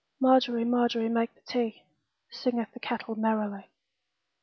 Margery, Margery, make the tea, Singeth the kettle merrily.